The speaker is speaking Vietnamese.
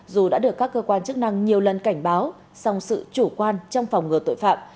dù đã được các cơ quan chức năng nhiều lần cảnh báo song sự chủ quan trong phòng ngừa tội phạm